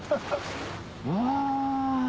うわ。